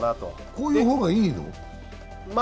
こういう方がいいの？